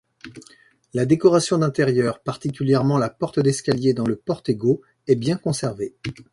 La décoration d'intérieur, particulièrement la porte d'escalier dans le portego, est bien conservée.